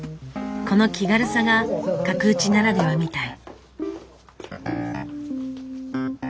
この気軽さが角打ちならではみたい。